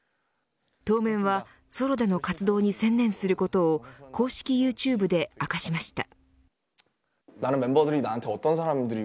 当面はソロでの活動に専念することを公式ユーチューブで明かしました。